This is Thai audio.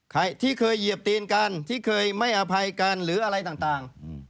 ใครที่เคยเหยียบตีนกันที่เคยไม่อภัยกันหรืออะไรต่าง